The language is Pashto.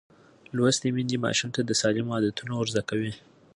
لوستې میندې ماشوم ته سالم عادتونه ورزده کوي.